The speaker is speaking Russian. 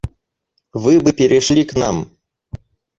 Вы бы перешли к нам.